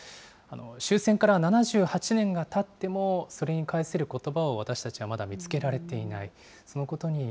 終戦から７８年がたっても、それに返せることばを私たちはまだ見つけられていない。